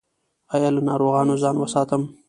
ایا له ناروغانو ځان وساتم؟